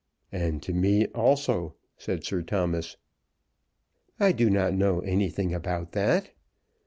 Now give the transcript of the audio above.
"And to me also," said Sir Thomas. "I do not know anything about that.